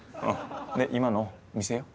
で今の見せよう。